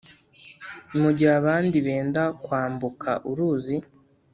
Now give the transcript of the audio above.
Mugihe abandi benda kwambuka uruzi.